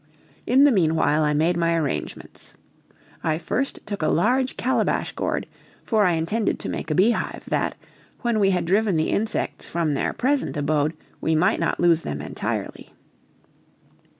In the meanwhile I made my arrangements. I first took a large calabash gourd, for I intended to make a beehive, that, when we had driven the insects from their present abode, we might not lose them entirely.